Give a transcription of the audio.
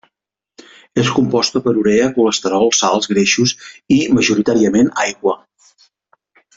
És composta per urea, colesterol, sals, greixos i, majoritàriament, aigua.